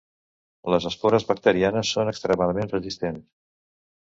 Les espores bacterianes són extremadament resistents.